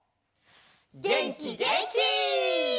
げんきげんき！